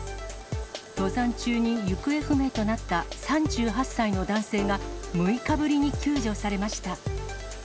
登山中に行方不明となった３８歳の男性が、６日ぶりに救助されました。